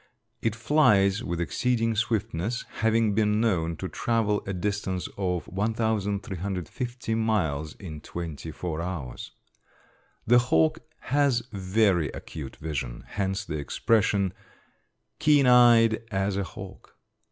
It flies with exceeding swiftness, having been known to travel a distance of 1,350 miles in twenty four hours. The hawk has very acute vision; hence the expression, "Keen eyed as a hawk."